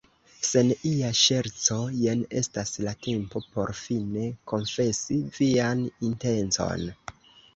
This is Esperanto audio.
Sen ia ŝerco, jen estas la tempo por fine konfesi vian intencon!